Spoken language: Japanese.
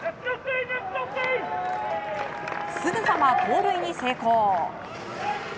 すぐさま盗塁に成功。